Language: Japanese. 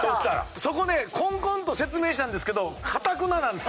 そこねこんこんと説明したんですけどかたくななんですよ。